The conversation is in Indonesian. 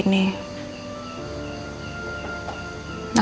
aku belum mau